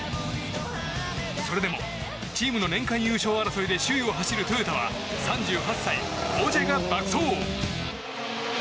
それでもチームの年間優勝争いで首位を走るトヨタは３８歳、オジェが爆走。